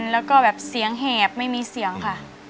แล้วก็แบบเสียงแหบไม่มีเสียงค่ะ